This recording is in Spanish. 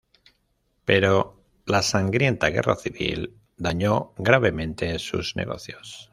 Pero la sangrienta Guerra Civil daño gravemente sus negocios.